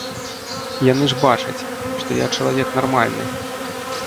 Яны ж бачаць, што я чалавек нармальны.